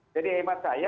jadi emas saya